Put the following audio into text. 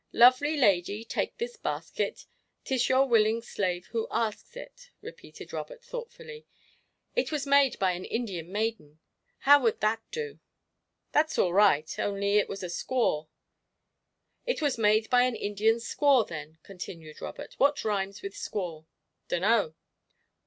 "Lovely lady, take this basket; 'T is your willing slave who asks it," repeated Robert, thoughtfully. "It was made by an Indian maiden how would that do?" "That's all right, only it was a squaw." "It was made by an Indian squaw, then," continued Robert. "What rhymes with squaw?" "Dunno."